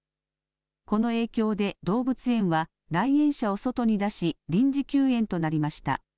この影響で動物園は来園者を外に出し臨時休園となりました。